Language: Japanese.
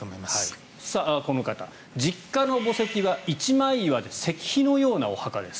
この方、実家の墓石は一枚岩で石碑のようなお墓です。